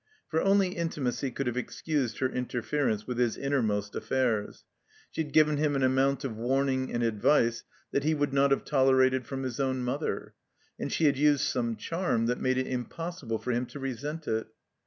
For only intimacy could have excused her inter ference with his innermost affairs. She had given him an amount of warning and advice that he would not have tolerated from his own mother. And she had tised some charm that made it impossible for him to resent it.